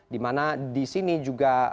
dimana di sini juga